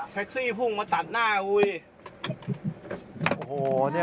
แท็กซี่พุ่งมาตัดหน้า